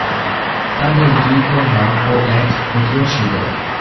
তাদের দুই কন্যা ও এক পুত্র ছিল।